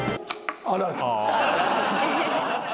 あら。